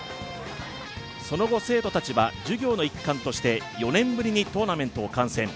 その後、生徒たちは授業の一環として４年ぶりにトーナメントを観戦。